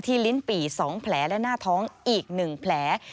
ลิ้นปี่๒แผลและหน้าท้องอีก๑แผล